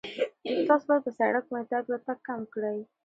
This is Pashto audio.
تاسو باید په سړک باندې تګ راتګ کم کړئ.